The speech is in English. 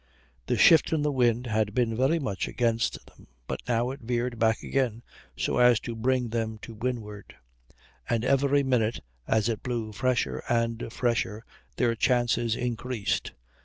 The shift in the wind had been very much against them, but now it veered back again so as to bring them to windward; and every minute, as it blew fresher and fresher, their chances increased.